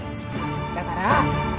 だから！